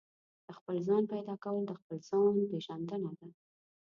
د خپل ځان پيدا کول د خپل ځان پېژندنه ده.